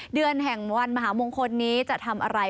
เดือนแห่งวันมหามงคลนี้จะทำอะไร